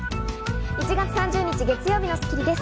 １月３０日、月曜日の『スッキリ』です。